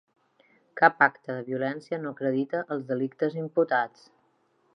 Cap acte de violència no acredita els delictes imputats.